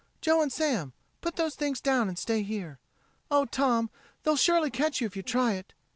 Joe and Sam put those things down and stay here. Oh, Tom, they'll surely catch you if you try it."